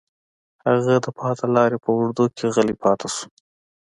هغه د پاتې لارې په اوږدو کې غلی پاتې شو